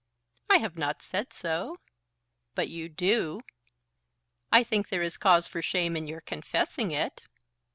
"I have not said so." "But you do." "I think there is cause for shame in your confessing it."